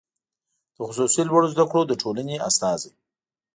د خصوصي لوړو زده کړو د ټولنې استازی